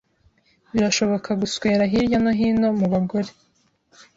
Birashoboka guswera hirya no hino mubagore